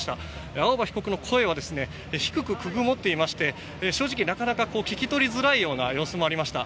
青葉被告の声は低く、くぐもっていまして正直聞き取りづらいような様子もありました。